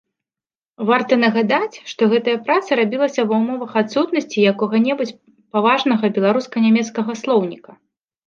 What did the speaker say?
Варта нагадаць, што гэтая праца рабілася ва ўмовах адсутнасці якога-небудзь паважнага беларуска-нямецкага слоўніка.